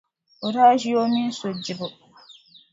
O daa ʒi o mini so dibu.